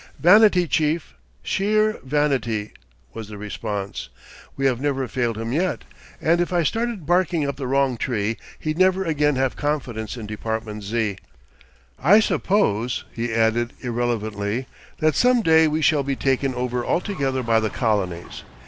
"Vanity, chief, sheer vanity," was the response. "We have never failed him yet, and if I started barking up the wrong tree, he'd never again have confidence in Department Z. I suppose," he added irrelevantly, "that some day we shall be taken over altogether by the colonies.